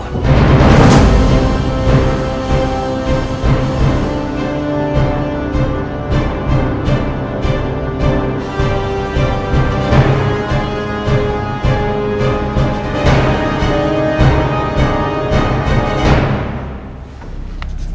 dan membuatnya terjadi